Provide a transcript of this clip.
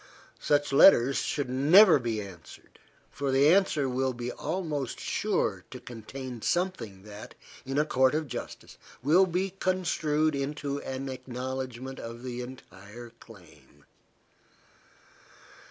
Such letters should never be answered, for the answer will be almost sure to contain something that, in a court of justice, will be construed into an acknowledgment of the entire claim.